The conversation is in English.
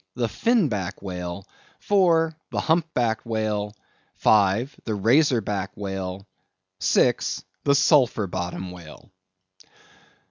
the Fin Back Whale; IV. the Hump backed Whale; V. the Razor Back Whale; VI. the Sulphur Bottom Whale.